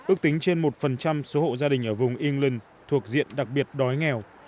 ước tính trên một số hộ gia đình ở vùng england thuộc diện đặc biệt đói nghèo